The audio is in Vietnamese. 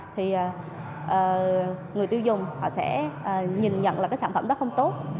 thì người tiêu dùng họ sẽ nhìn nhận là cái sản phẩm đó không tốt